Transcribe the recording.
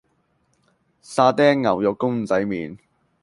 沙爹牛肉公仔麪